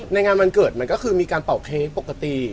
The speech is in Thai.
งานวันเกิดมันก็คือมีการเป่าเค้กปกติ